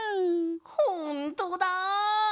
ほんとだ！